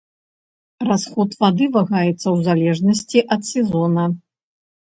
Расход вады вагаецца ў залежнасці ад сезона.